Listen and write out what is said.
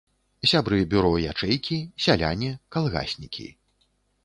Сябры бюро ячэйкі, сяляне, калгаснікі.